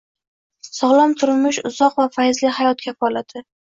Cog‘lom turmush – uzoq va fayzli hayot kafolati